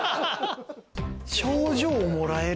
賞状をもらえる。